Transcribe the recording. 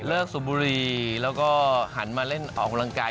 สูบบุรีแล้วก็หันมาเล่นออกกำลังกาย